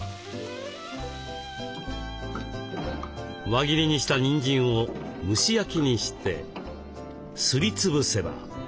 輪切りにしたにんじんを蒸し焼きにしてすり潰せば。